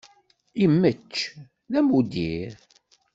Immečč, d amuddir.